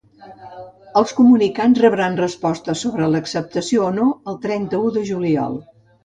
Els comunicants rebran resposta sobre l’acceptació o no el trenta-u de juliol.